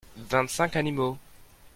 vingt cinq animaux.